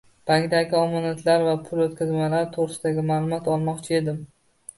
Bankdagi omonatlari va pul o‘tkazmalari to‘g‘risida ma’lumot olmoqchi edim.